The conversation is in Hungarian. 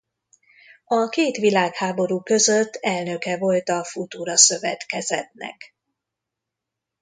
A két világháború között elnöke volt a Futura Szövetkezetnek.